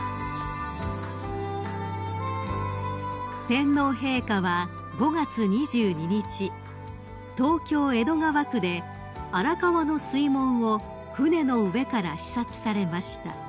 ［天皇陛下は５月２２日東京江戸川区で荒川の水門を船の上から視察されました］